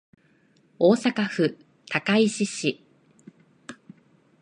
大阪府高石市